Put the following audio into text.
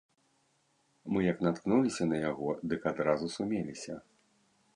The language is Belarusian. Мы як наткнуліся на яго, дык адразу сумеліся.